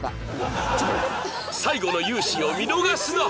最後の雄姿を見逃すな！